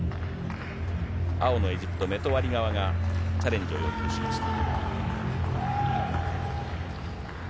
青のエジプト、メトワリ側がチャレンジを要求しました。